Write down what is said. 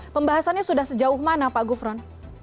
pembahasannya sudah sejauh mana pak gufron